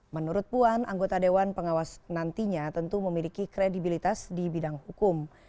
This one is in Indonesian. menurut puan anggota dewan pengawas nantinya tentu memiliki kredibilitas di bidang hukum